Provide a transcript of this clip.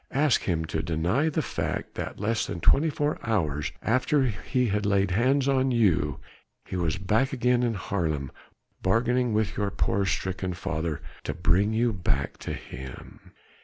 Ask him to deny the fact that less than twenty four hours after he had laid hands on you, he was back again in Haarlem, bargaining with your poor, stricken father to bring you back to him."